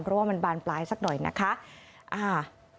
เพราะว่ามันบานปลายสักหน่อยนะคะอ่า